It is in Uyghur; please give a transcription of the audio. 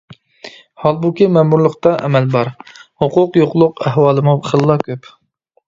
ھالبۇكى مەمۇرلۇقتا ئەمەل بار، ھوقۇق يوقلۇق ئەھۋالىمۇ خېلىلا كۆپ.